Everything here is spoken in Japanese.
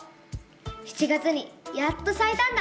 ７月にやっとさいたんだ！